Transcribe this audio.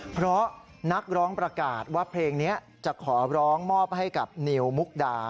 เพราะนักร้องประกาศว่าเพลงนี้จะขอร้องมอบให้กับนิวมุกดา